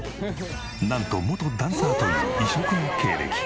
なんと元ダンサーという異色の経歴。